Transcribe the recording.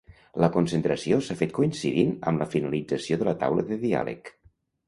La concentració s’ha fet coincidint amb la finalització de la taula de diàleg.